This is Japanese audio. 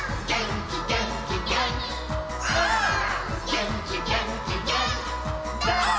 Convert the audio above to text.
「げんきげんきげんきだー！」